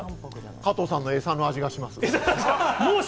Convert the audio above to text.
加藤さんのエサの味がします。